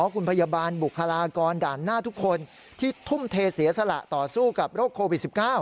คุณพยาบาลบุคลากรด่านหน้าทุกคนที่ทุ่มเทเสียสละต่อสู้กับโรคโควิด๑๙